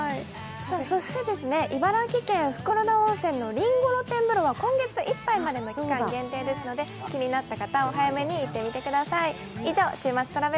茨城県袋田温泉のりんご露天風呂は今月いっぱいまでの期間限定ですので、気になった方、お早めに行ってみてください。